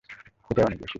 এটাই অনেক বেশি।